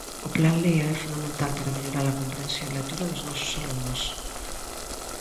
O Plan LÍA é fundamental para mellorar a comprensión lectora dos nosos alumnos.